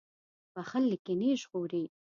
• بښل له کینې ژغوري.